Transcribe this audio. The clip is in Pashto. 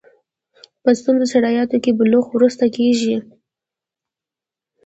په ستونزمنو شرایطو کې بلوغ وروسته کېږي.